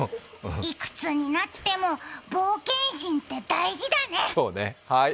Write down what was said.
いくつになっても冒険心って大事だね。